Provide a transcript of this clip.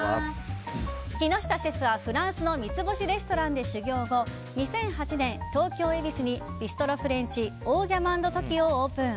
木下シェフはフランスの三つ星レストランで修業後２００８年、東京・恵比寿にビストロフレンチオー・ギャマン・ド・トキオをオープン。